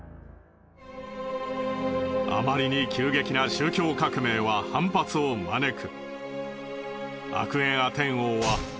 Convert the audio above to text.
あまりに急激な宗教革命は反発を招く。